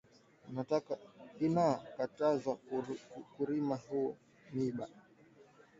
Ina katazwa kurima mu miba